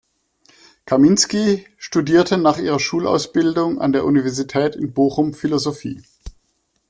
Kaminsky studierte nach ihrer Schulausbildung an der Universität in Bochum Philosophie.